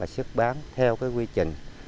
sức bán theo quy trình